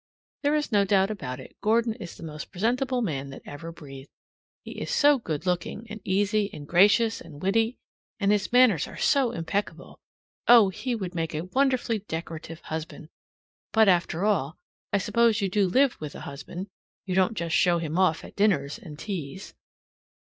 There is no doubt about it, Gordon is the most presentable man that ever breathed. He is so good looking and easy and gracious and witty, and his manners are so impeccable Oh, he would make a wonderfully decorative husband! But after all, I suppose you do live with a husband. You don't just show him off at dinners and teas.